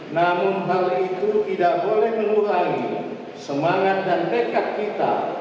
namun hal itu tidak boleh mengurangi semangat dan dekat kita